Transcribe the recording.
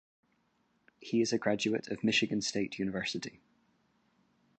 He is a graduate of Michigan State University.